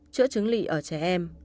chữa chứng lị ở trẻ em